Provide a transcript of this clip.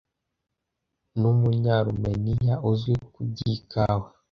numunyarumeniya uzwi kuby' iKawa